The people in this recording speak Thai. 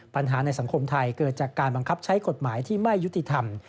ปัญหาในสังคมไทยเกิดจากการบังคับใช้กฎหมายที่ไม่ยุติธรรม